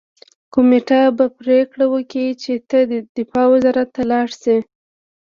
کمېټه به پریکړه وکړي چې ته دفاع وزارت ته لاړ شې